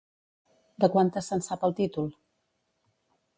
De quantes se'n sap el títol?